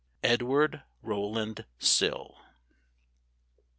EDWARD ROWLAND SILL.